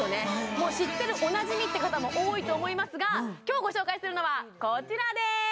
もう知ってるおなじみって方も多いと思いますが今日ご紹介するのはこちらです！